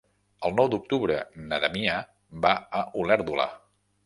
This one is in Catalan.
El nou d'octubre na Damià va a Olèrdola.